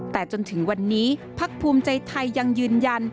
แต่จนถึงวันนี้พักภูมิใจไทยยังยืนยัน